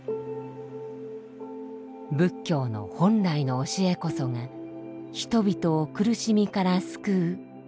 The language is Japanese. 仏教の本来の教えこそが人々を苦しみから救う。